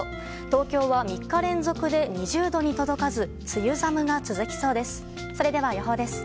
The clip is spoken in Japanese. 東京は３日連続で２０度に届かず梅雨寒が続きそうです。